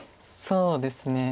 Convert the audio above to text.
そうですね。